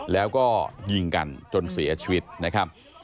แล้วก็ยิงกันจนเสียชีวิตนะครับ